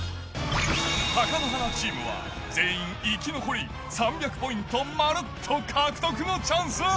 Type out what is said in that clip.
貴乃花チームは全員生き残り、３００ポイントまるっと獲得のチャンス。